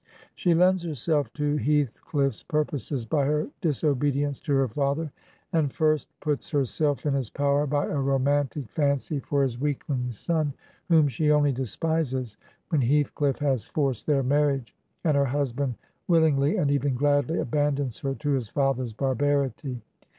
She lends herself to Heathcliff's purposes by her disobedience to her father, and first puts herself in his power by a romantic fancy for his 236 Digitized by VjOOQIC THE TWO CATHARINES OF EMILY BRONTE weakling son, whom she only despises when Heath cliflF has forced their marriage, and her husband will ingly and even gladly abandons her to his father's barbarity.